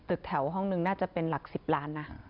ตึกแถวห้องนึงน่าจะเป็นหลัก๑๐ล้านนะ